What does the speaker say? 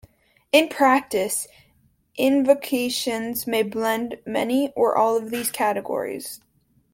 In practice, invocations may blend many or all of these categories.